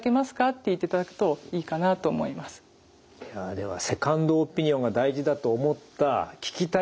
ではセカンドオピニオンが大事だと思った聞きたいと思う。